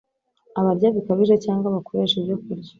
Abarya bikabije, cyangwa bakoresha ibyokurya